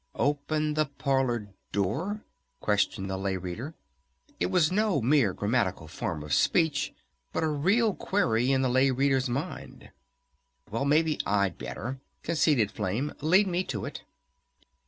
"Open the parlor door?" questioned the Lay Reader. It was no mere grammatical form of speech but a real query in the Lay Reader's mind. "Well, maybe I'd better," conceded Flame. "Lead me to it."